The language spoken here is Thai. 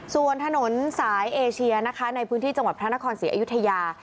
ส่วนถนนสายเอเชียนะคะในพื้นที่จังหวัดพระนครศรีอยุธยา